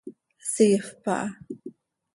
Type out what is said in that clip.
Siifp aha.